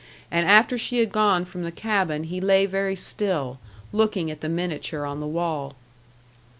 And after she had gone from the cabin he lay very still, looking at the miniature on the wall.